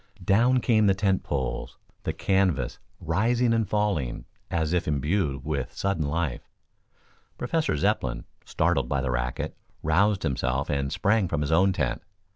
Down came the tent poles, the canvas rising and falling as if imbued with sudden life. Professor Zepplin, startled by the racket, roused himself and sprang from his own tent.